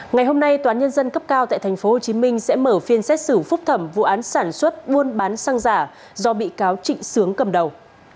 ngày hôm nay toán nhân dân cấp cao tại tp hcm sẽ mở phiên xét xử phúc thẩm vụ án sản xuất buôn bán xăng giả do bị cáo trịnh sướng cầm đầu